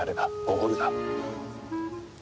おごるな。